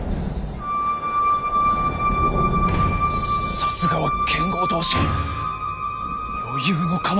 さすがは剣豪同心余裕の構えか。